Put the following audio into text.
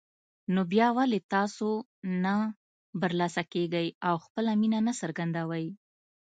نو بيا ولې تاسو نه برلاسه کېږئ او خپله مينه نه څرګندوئ